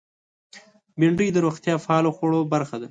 بېنډۍ د روغتیا پال خوړو برخه ده